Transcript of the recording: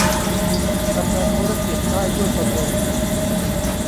ดำเนินธุรกิจได้ด้วยตนเอง